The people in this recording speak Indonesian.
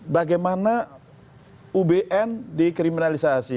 bagaimana ubn dikriminalisasi